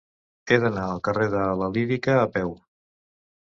He d'anar al carrer de la Lírica a peu.